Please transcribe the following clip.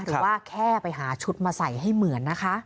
หรือว่าแค่ไปหาชุดมาใส่ให้เหมือนนะคะ